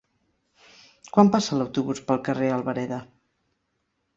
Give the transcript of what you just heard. Quan passa l'autobús pel carrer Albareda?